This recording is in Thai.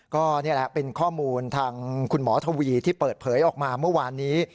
ก็นี่แหละเป็นข้อมูลทางคุณหมอทวีที่เปิดเผยออกมาเมื่อวานนี้